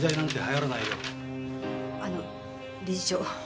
あの理事長